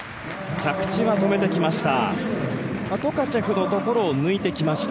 着地は止めてきました。